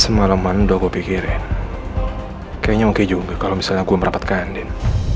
semalam man udah aku pikirin kayaknya oke juga kalo misalnya aku merapatkan din